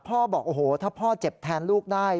บอกโอ้โหถ้าพ่อเจ็บแทนลูกได้